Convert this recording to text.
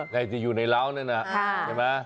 ใครจะอยู่ในร้าวนั้นนะ